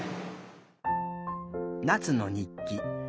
なつの日記。